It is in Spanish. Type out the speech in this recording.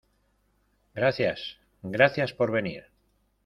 gracias. gracias por venir .